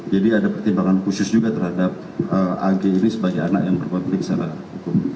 jadi ada pertimbangan khusus juga terhadap ag ini sebagai anak yang berpengalaman secara hukum